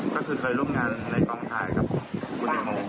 ก็คือเคยร่วมงานในกองถ่ายกับคุณแตงโม